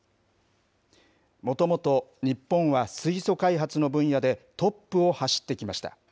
もともと日本は水素開発の分野でトップを走ってきました。